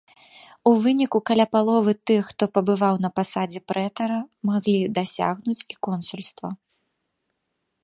У выніку каля паловы тых, хто пабываў на пасадзе прэтара, маглі дасягнуць і консульства.